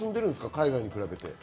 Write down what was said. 海外に比べて。